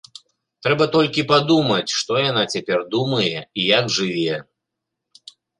Трэба толькі падумаць, што яна цяпер думае і як жыве.